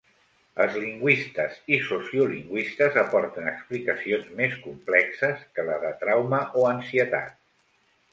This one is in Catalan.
Els lingüistes i sociolingüistes aporten explicacions més complexes que la de "trauma" o "ansietat".